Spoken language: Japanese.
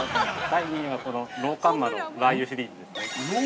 ◆第２位はこの老干媽のラー油シリーズですね。